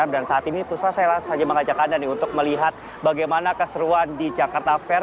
dan saat ini puspa saya langsung saja mengajak anda untuk melihat bagaimana keseruan di jakarta fair